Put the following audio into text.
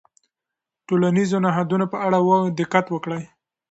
د ټولنیزو نهادونو په اړه دقت وکړئ.